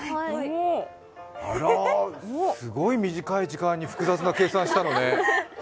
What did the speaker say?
あら、すごい短い時間に複雑な計算したのね。